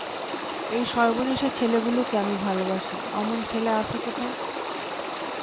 এই সর্বনেশে ছেলেগুলোকে আমি ভালোবাসি– অমন ছেলে আছে কোথায়!